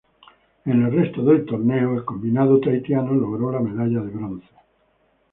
En el resto del torneo el combinado tahitiano logró la medalla de bronce.